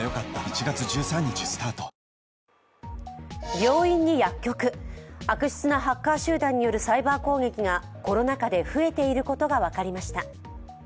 病院に薬局、悪質なハッカー集団によるサイバー攻撃がコロナ禍で増えていることが分かりました。